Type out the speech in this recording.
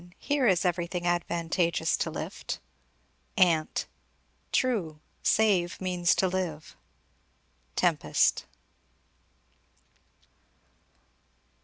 Here is everything advantageous to lift. Ant. True; save means to live. Tempest.